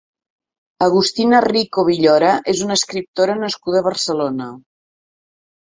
Agustina Rico Villora és una escriptora nascuda a Barcelona.